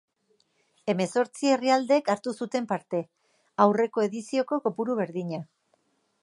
Hemezortzi herrialdek hartu zuten parte, aurreko edizioko kopuru berdina.